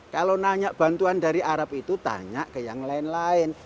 kalau nanya bantuan dari arab itu tanya ke yang lain lain